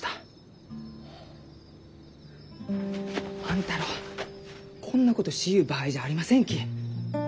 万太郎こんなことしゆう場合じゃありませんき！